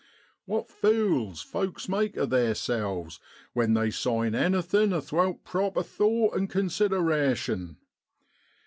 What fules folks make o' theerselves when they sign anything athowt proper thought and consideration